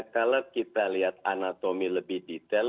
kalau kita lihat anatomi lebih detail